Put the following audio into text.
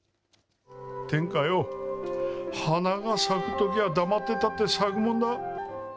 天花よ、花が咲くときはだまってたって咲くもんだ。